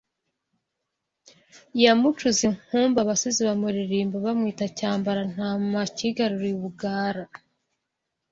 yamucuze inkumbi Abasizi bamuririmba bamwita Cyambarantama cyigaruriye u Bugara